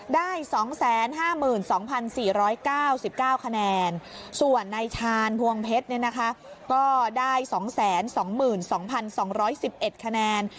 ได้๒๕๒๔๙๙คะแนนส่วนในชานพวงเพชรเนี่ยนะคะก็ได้๒๒๒๒๑๑คะแนน